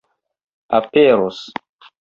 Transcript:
aperos